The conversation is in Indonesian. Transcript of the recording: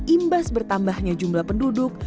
imbas bertambahnya jumlah penduduk